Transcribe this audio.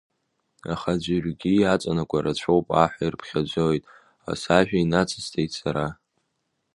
Аха аӡәырҩгьы иаҵанакуа рацәоуп аҳәа ирԥхьаӡоит, сажәа инацысҵеит сара.